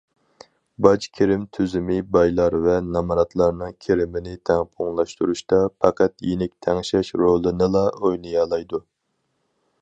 باج كىرىم تۈزۈمى بايلار ۋە نامراتلارنىڭ كىرىمىنى تەڭپۇڭلاشتۇرۇشتا پەقەت يېنىك تەڭشەش رولىنىلا ئوينىيالايدۇ.